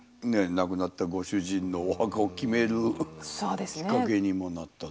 亡くなったご主人のお墓を決めるきっかけにもなったっていう。